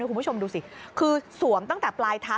คุณผู้ชมดูสิคือสวมตั้งแต่ปลายเท้า